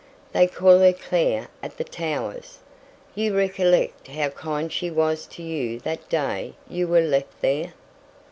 They call her Clare at the Towers. You recollect how kind she was to you that day you were left there?"